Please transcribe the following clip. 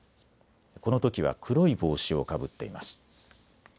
このときは黒い帽子をかぶっています。